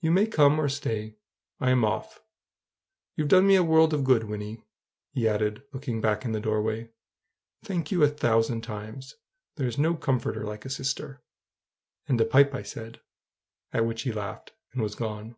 You may come or stay I'm off. You've done me so much good, Wynnie!" he added, looking back in the doorway. "Thank you a thousand times. There's no comforter like a sister!" "And a pipe," I said; at which he laughed, and was gone.